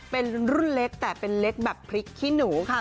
เป็นรุ่นเล็กแต่เป็นเล็กแบบพริกขี้หนูค่ะ